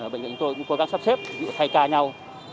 bệnh viện của tôi cũng cố gắng sắp xếp thay ca nhau